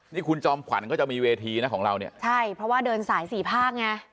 นี่คุณจอมขวัญก็จะมีเวทีนะของเราเนี่ยใช่เพราะว่าเดินสายสี่ภาคไง